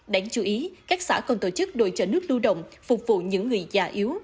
đáng chú ý các xã còn tổ chức đội chở nước lưu động phục vụ những người già yếu